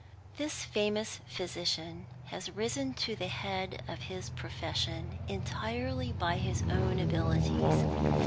This famous physician has risen to the head of his profession entirely by his own abilities.